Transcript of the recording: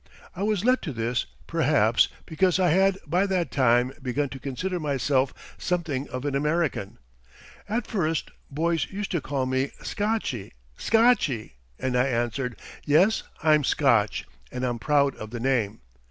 I was led to this, perhaps, because I had by that time begun to consider myself something of an American. At first boys used to call me "Scotchie! Scotchie!" and I answered, "Yes, I'm Scotch and I am proud of the name."